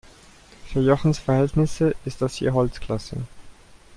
Für Jochens Verhältnisse ist das hier Holzklasse.